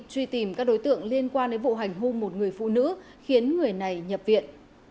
truy tìm các đối tượng liên quan đến vụ hành hôn một người phụ nữ khiến người này nhập viện